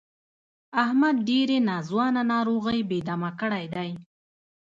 احمد ډېرې ناځوانه ناروغۍ بې دمه کړی دی.